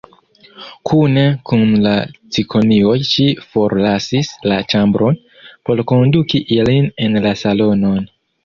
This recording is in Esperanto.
Kune kun la cikonioj ŝi forlasis la ĉambron, por konduki ilin en la salonon.